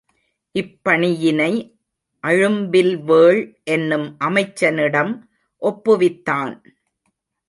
இப்பணியினை அழும்பில் வேள் என்னும் அமைச்சனிடம் ஒப்புவித்தான்.